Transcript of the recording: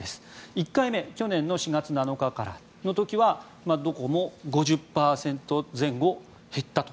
１回目去年の４月７日からの時ではどこも５０％前後減ったと。